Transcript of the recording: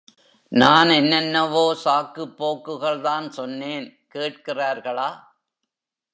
நான் என்னென்னவோ சாக்குப் போக்குகள்தான் சொன்னேன் கேட்கிறார்களா?